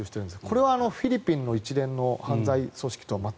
これはフィリピンの一連の犯罪組織